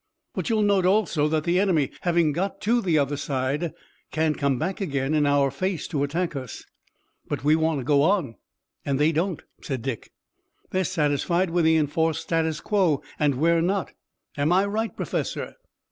But you'll note, also, that the enemy, having got to the other side, can't come back again in our face to attack us." "But we want to go on and they don't," said Dick. "They're satisfied with the enforced status quo, and we're not. Am I right, Professor?"